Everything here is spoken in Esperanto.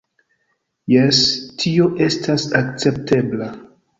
- Jes, tio estas akceptebla